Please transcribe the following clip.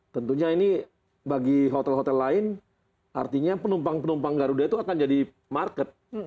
tentunya ini bagi hotel hotel lain artinya penumpang penumpang garuda itu akan jadi market